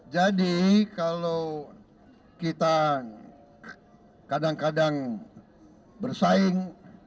jadi kalau kita kadang kadang bersaing